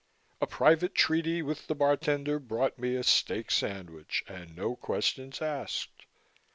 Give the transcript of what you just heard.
A private treaty with the bartender brought me a steak sandwich, and no questions asked.